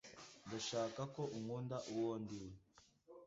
Ndashaka ko unkunda uwo ndiwe.